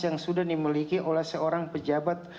yang sudah dimiliki oleh seorang pejabat